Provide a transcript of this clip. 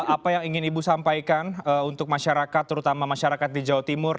apa yang ingin ibu sampaikan untuk masyarakat terutama masyarakat di jawa timur